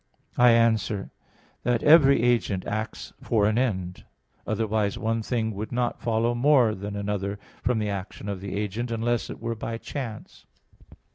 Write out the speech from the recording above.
I answer that, Every agent acts for an end: otherwise one thing would not follow more than another from the action of the agent, unless it were by chance.